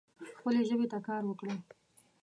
خپلې ژبې ته کار وکړئ